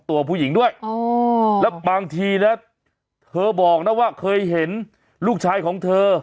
ตัวผู้หญิงด้วยอ๋อแล้วบางทีนะเธอบอกนะว่าเคยเห็นลูกชายของเธอ